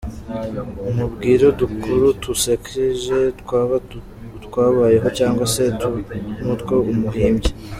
Mubwire udukuru dusekeje twaba utwabayeho cyangwa se n’utwo umuhimbiye.